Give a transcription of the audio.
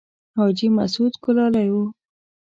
حاجي مسعود ګلالی و.